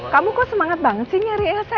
kamu kok semangat banget sih nyari lsm